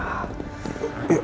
alhamdulillah ren udah siuman